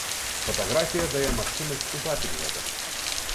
Фатаграфія дае магчымасць убачыць гэта.